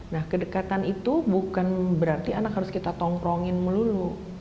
nah kedekatan itu bukan berarti anak harus kita tongkrongin melulu